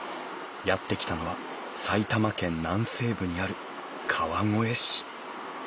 やって来たのは埼玉県南西部にある川越市